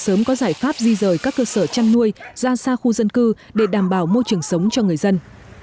sớm có giải pháp di rời các cơ sở chăn nuôi ra xa khu dân cư để đảm bảo môi trường sống cho người dân